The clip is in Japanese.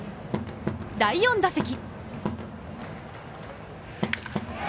第４打席。